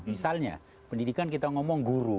misalnya pendidikan kita ngomong guru